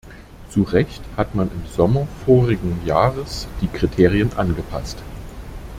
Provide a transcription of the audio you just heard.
Zu Recht hat man im Sommer vorigen Jahres die Kriterien angepasst.